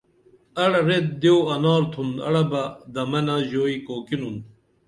اڑہ ریت دیو انار تُھن اڑہ بہ دمنہ ژوئی کُوکِنُن